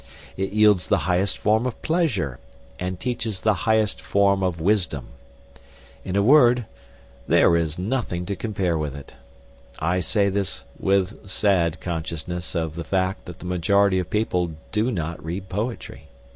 It yields the highest form of pleasure, and teaches the highest form of wisdom. In a word, there is nothing to compare with it. I say this with sad consciousness of the fact that the majority of people do not read poetry.